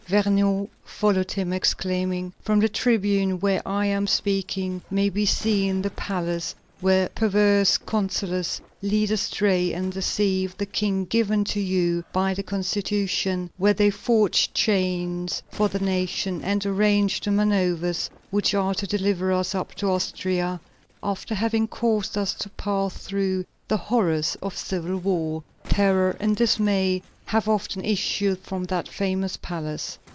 Vergniaud followed him, exclaiming: "From the tribune where I am speaking may be seen the palace where perverse counsellors lead astray and deceive the King given to you by the Constitution; where they forge chains for the nation, and arrange the manoeuvres which are to deliver us up to Austria, after having caused us to pass through the horrors of civil war. Terror and dismay have often issued from that famous palace.